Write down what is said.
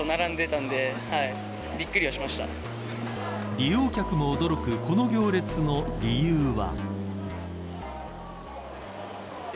利用客も驚くこの行列の理由は。